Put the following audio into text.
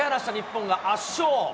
突き放した日本が圧勝。